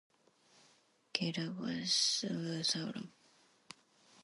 Cater was Lutheran.